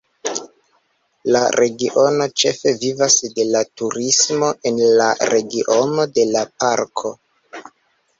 La regiono ĉefe vivas de la turismo en la regiono de la parko.